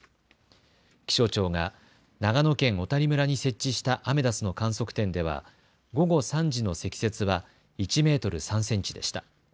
気象庁が長野県小谷村に設置したアメダスの観測点では午後３時の積雪は１メートル３センチでした。